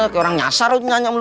kayak orang nyasar itu nyanyam lo